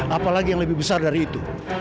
apa lagi yang lebih besar dari itu